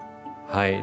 はい。